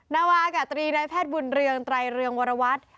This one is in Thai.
นาวาอากาศตรีนายแพทย์บุญเรืองไตรเรืองวรวัตร